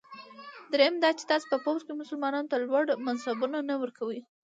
دریم دا چې تاسي په پوځ کې مسلمانانو ته لوړ منصبونه نه ورکوی.